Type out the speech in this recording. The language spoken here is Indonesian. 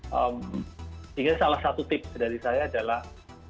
sehingga salah satu tips dari saya adalah